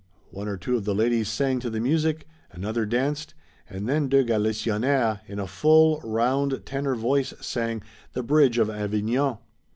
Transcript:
One or two of the ladies sang to the music, another danced, and then de Galisonniére, in a full, round tenor voice, sang "The Bridge of Avignon."